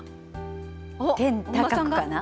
天高くかな？